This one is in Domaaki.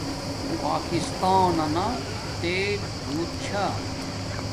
پاکستانانا تیل بوت چھا